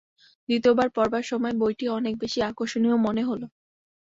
দ্বিতীয় বার পড়বার সময় বইটি অনেক বেশি আকর্ষণীয় মনে হলো।